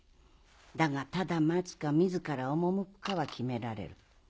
だがただ待つか自らおもむくかは決められる。